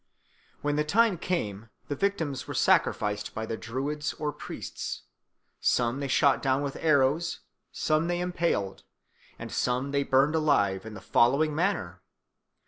When the time came the victims were sacrificed by the Druids or priests. Some they shot down with arrows, some they impaled, and some they burned alive in the following manner.